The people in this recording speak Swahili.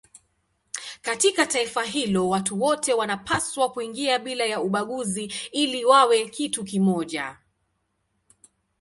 Katika taifa hilo watu wote wanapaswa kuingia bila ya ubaguzi ili wawe kitu kimoja.